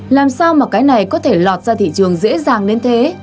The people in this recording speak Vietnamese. làm sao mà cái này có thể lọt ra thị trường dễ dàng đến thế